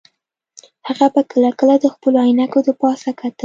هغه به کله کله د خپلو عینکې د پاسه کتل